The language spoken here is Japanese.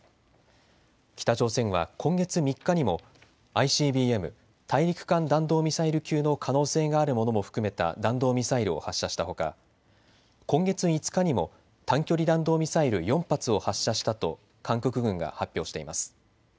北朝鮮は今月３日にもＩＣＢＭ・大陸間弾道ミサイル級の可能性があるものも含めた弾道ミサイルを発射したほか今月５日にも短距離弾道ミサイル４発を発射したと韓国軍が発表しています。